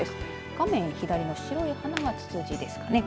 画面左の白い花がツツジですかね。